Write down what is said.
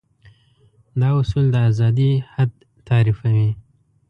دا اصول د ازادي حد تعريفوي.